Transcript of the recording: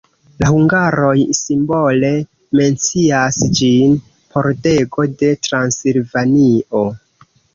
La hungaroj simbole mencias ĝin: "Pordego de Transilvanio".